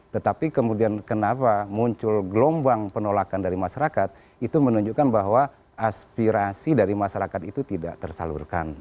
tetapi kemudian kenapa muncul gelombang penolakan dari masyarakat itu menunjukkan bahwa aspirasi dari masyarakat itu tidak tersalurkan